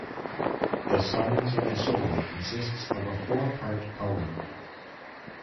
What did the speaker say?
The "Summons of the Soul" consists of a four-part poem.